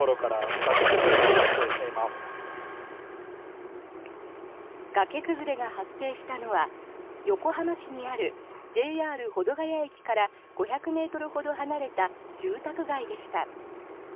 崖崩れが発生したのは横浜市にあるＪＲ保土ケ谷駅から５００ｍほど離れた住宅街でした。